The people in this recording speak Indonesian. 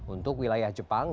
untuk wilayah jepang